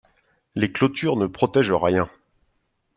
Les clôtures ne protègent rien.